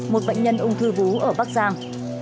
một bệnh nhân ung thư vú ở bắc giang